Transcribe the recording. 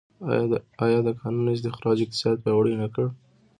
آیا د کانونو استخراج اقتصاد پیاوړی نه کړ؟